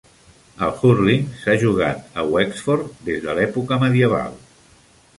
El hurling s'ha jugat a Wexford des de la època medieval.